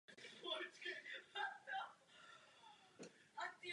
Pan komisař Verheugen uvedl, že praktická opatření se vyvíjejí.